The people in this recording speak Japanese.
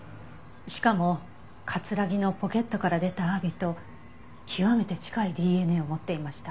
しかも木のポケットから出たアワビと極めて近いＤＮＡを持っていました。